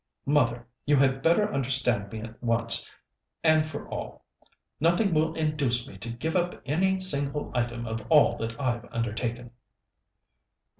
"Mother, you had better understand me once and for all. Nothing will induce me to give up any single item of all that I've undertaken."